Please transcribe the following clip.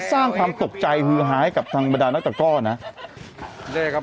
สร้างความตกใจฮือหายกับธรรมดานักก็ก้อนนะ